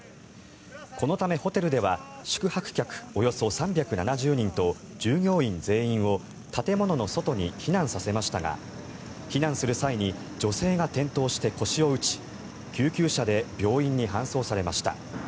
このため、ホテルでは宿泊客およそ３７０人と従業員全員を建物の外に避難させましたが避難する際に女性が転倒して腰を打ち救急車で病院に搬送されました。